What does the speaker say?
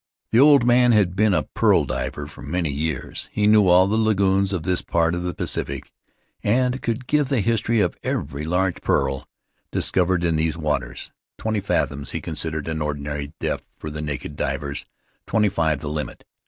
The old man had been a pearl diver for many years; he knew all the lagoons of this part of the Pacific, and could give the history of every large pearl discovered in these waters. Twenty fathoms he considered an ordinary depth for the naked divers — twenty five, the limit.